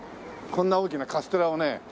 こんな大きなカステラをね